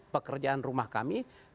pekerjaan rumah kami